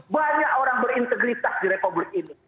banyak orang berintegritas di republik ini